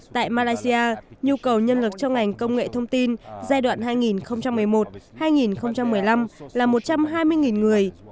tại malaysia nhu cầu nhân lực cho ngành công nghệ thông tin giai đoạn hai nghìn một mươi một hai nghìn một mươi năm là một trăm hai mươi người